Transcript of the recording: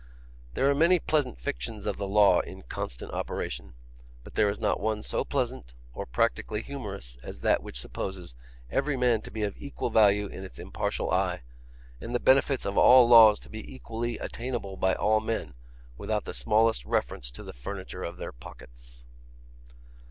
There are many pleasant fictions of the law in constant operation, but there is not one so pleasant or practically humorous as that which supposes every man to be of equal value in its impartial eye, and the benefits of all laws to be equally attainable by all men, without the smallest reference to the furniture of their pockets.